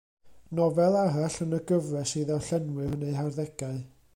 Nofel arall yn y gyfres i ddarllenwyr yn eu harddegau.